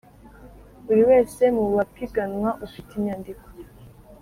buri wese mu bapiganwa ufite inyandiko